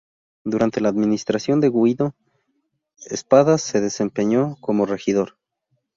Durante la administración de Guido Espadas se desempeñó como regidor.